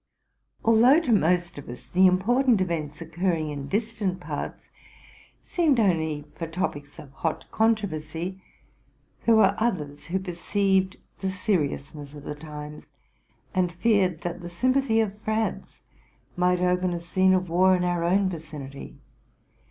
Although to most of us the important events occurring in distant parts served only for topics of hot controversy, there were others who perceived the seriousness of the times, and feared that the sympathy of France might open a scene of war in our own vicinity.